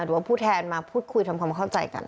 หรือว่าผู้แทนมาพูดคุยทำความเข้าใจกัน